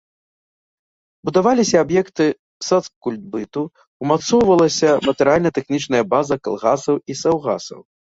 Будаваліся аб'екты сацкультбыту, умацоўвалася матэрыяльна-тэхнічная база калгасаў і саўгасаў.